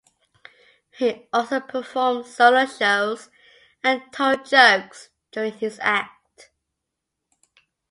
He also performed solo shows and told jokes during his act.